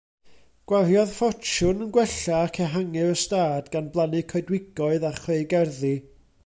Gwariodd ffortiwn yn gwella ac ehangu'r ystâd gan blannu coedwigoedd a chreu gerddi.